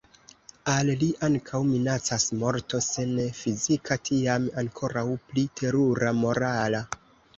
Al li ankaŭ minacas morto, se ne fizika, tiam ankoraŭ pli terura morala.